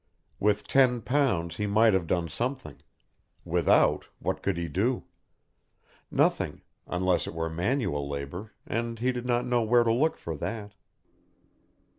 With ten pounds he might have done something; without, what could he do? Nothing, unless it were manual labour, and he did not know where to look for that.